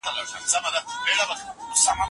پښتو تش نوم نه دي پرنسيب دي